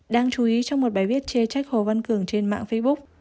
đáng chú ý trong một bài viết chê trách hồ văn cường trên mạng facebook